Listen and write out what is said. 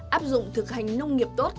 áp dụng thực hành nông nghiệp tốt